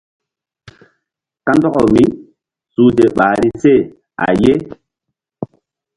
Kandɔkaw mísuhze ɓahri se a ye.